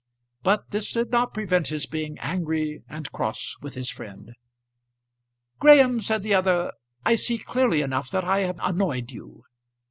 But this did not prevent his being angry and cross with his friend. "Graham," said the other, "I see clearly enough that I have annoyed you."